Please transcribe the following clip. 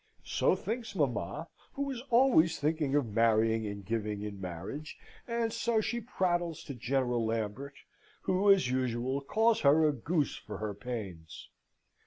So thinks mamma, who was always thinking of marrying and giving in marriage, and so she prattles to General Lambert, who, as usual, calls her a goose for her pains.